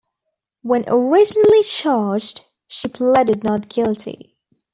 When originally charged, she pleaded not guilty.